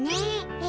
え？